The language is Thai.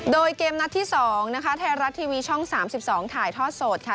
โดยเกมนัดที่๒นะคะไทยรัฐทีวีช่อง๓๒ถ่ายทอดสดค่ะ